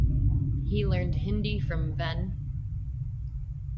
He learned Hindi from Ven.